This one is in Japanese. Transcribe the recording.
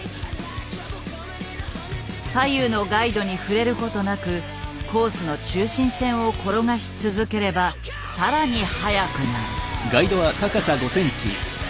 左右のガイドに触れることなくコースの中心線を転がし続ければ更に速くなる。